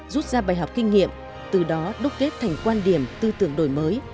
rút ra bài học kinh nghiệm từ đó đúc kết thành quan điểm tư tưởng đổi mới